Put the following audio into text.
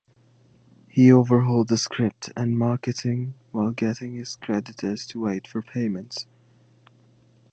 He overhauled the script and marketing while getting his creditors to wait for payments.